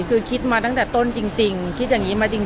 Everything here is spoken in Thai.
คือคิดมาตั้งแต่ต้นจริงคิดอย่างนี้มาจริง